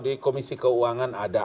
di komisi keuangan ada